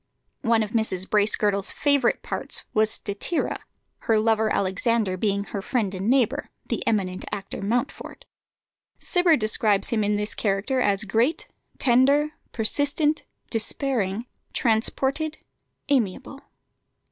One of Mrs. Bracegirdle's favourite parts was Statira, her lover Alexander being her friend and neighbour, the eminent actor Mountfort. Cibber describes him in this character as "great, tender, persistent, despairing, transported, amiable."